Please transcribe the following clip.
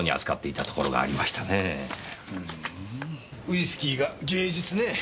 ウイスキーが芸術ねぇ。